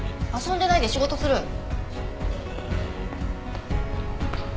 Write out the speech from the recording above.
遊んでないで仕事する。